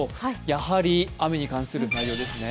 やはり雨に関する内容ですね。